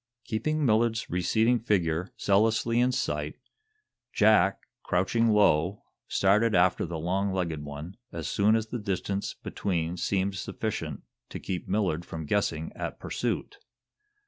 Keeping Millard's receding figure zealously in sight, Jack, crouching low, started after the long legged one as soon as the distance between seemed sufficient to keep Millard from guessing at pursuit.